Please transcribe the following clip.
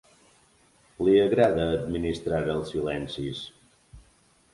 Li agrada administrar els silencis.